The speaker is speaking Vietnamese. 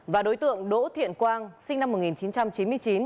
và đối tượng đỗ thiện quang sinh năm một nghìn chín trăm chín mươi chín